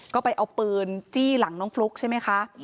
ก็ไปเอาปืนจี้หลังน้องฟลุ๊กใช่ไหมคะ